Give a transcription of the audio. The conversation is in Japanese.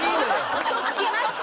ウソつきました。